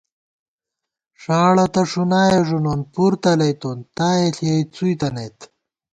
ݭاڑہ تہ ݭُنائے ݫُنون پُر تلَئ تون تائےݪِیَئی څُوئی تنَئیت